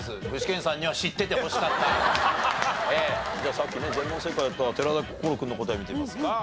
さっきね全問正解だった寺田心君の答え見てみますか。